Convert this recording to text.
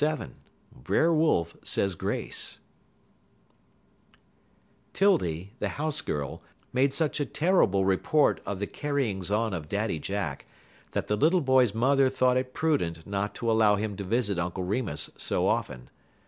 XXVII BRER WOLF SAYS GRACE 'Tildy, the house girl, made such a terrible report of the carryings on of Daddy Jack that the little boy's mother thought it prudent not to allow him to visit Uncle Remus so often.